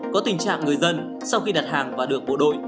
có tình trạng người dân sau khi đặt hàng và được bộ đội